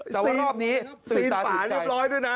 แล้วรอบนี้ซีนฝาเรียบร้อยด้วยนะ